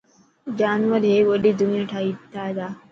جانور هيڪ وڏي دنيا ٺاهي تا.